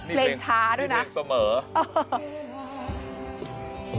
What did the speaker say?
เพลงช้าด้วยนะนี่เพลงเสมอ